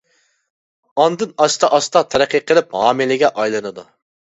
ئاندىن ئاستا ئاستا تەرەققىي قىلىپ ھامىلىگە ئايلىنىدۇ.